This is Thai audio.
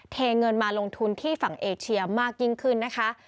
เทเงินมาลงทุนที่ฝั่งเอเชียมากยิ่งขึ้นนะคะ